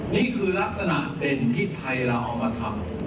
นี่คือลักษณะเด่นที่ไทยเราเอามาทำ